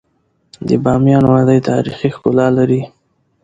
د بامیان وادی تاریخي ښکلا لري.